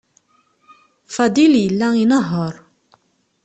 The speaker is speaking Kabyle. Fadil yella inehheṛ.